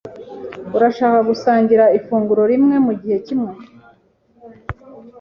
Urashaka gusangira ifunguro rimwe mugihe kimwe?